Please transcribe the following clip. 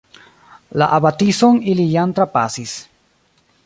La abatison ili jam trapasis.